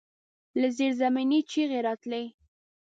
له زيرزمينې چيغې راتلې.